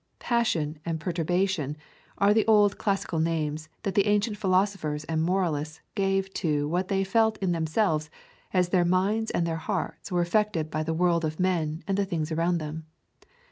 'Passion' and 'perturbation' are the old classical names that the ancient philosophers and moralists gave to what they felt in themselves as their minds and their hearts were affected by the world of men and things around them.